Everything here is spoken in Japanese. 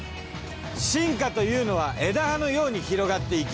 進化というのは枝葉のように広がっていき